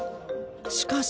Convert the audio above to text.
しかし。